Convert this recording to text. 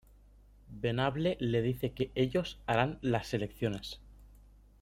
Venable le dice que ellos harán las selecciones.